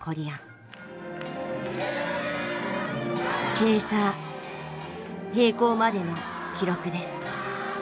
チェーサー閉校までの記録です。